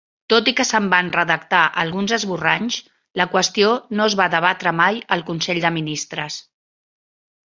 Tot i que se'n van redactar alguns esborranys, la qüestió no es va debatre mai al consell de ministres.